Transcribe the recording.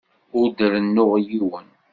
Ur d-rennuɣ yiwen.